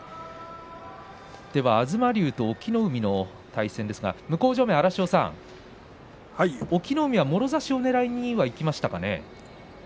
東龍と隠岐の海の対戦ですが向正面から荒汐さん隠岐の海はもろ差しをねらいにいきましたかね？